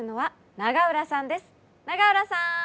永浦さん！